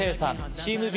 チームＢ